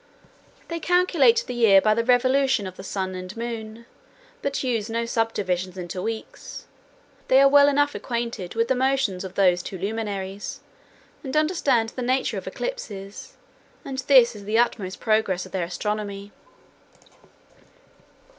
They calculate the year by the revolution of the sun and moon, but use no subdivisions into weeks. They are well enough acquainted with the motions of those two luminaries, and understand the nature of eclipses; and this is the utmost progress of their astronomy.